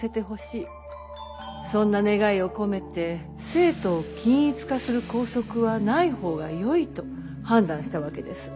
そんな願いを込めて生徒を均一化する校則はない方がよいと判断したわけです。